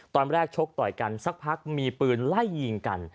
ชกต่อยกันสักพักมีปืนไล่ยิงกัน